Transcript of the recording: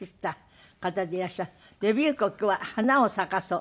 デビュー曲は『花を咲かそう』。